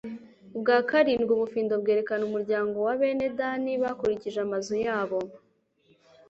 ubwa karindwi, ubufindo bwerekana umuryango wa bene dani, bakurikije amazu yabo